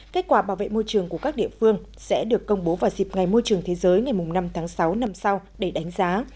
kết quả bảo vệ môi trường của các địa phương sẽ được công bố vào dịp ngày môi trường thế giới ngày năm tháng sáu năm sau để đánh giá